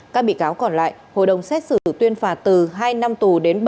các bị cáo còn lại hội đồng xét xử tuyên phạt từ hai năm tù đến